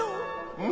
うん！